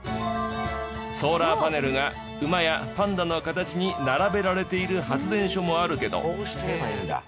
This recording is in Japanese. ソーラーパネルが馬やパンダの形に並べられている発電所もあるけど。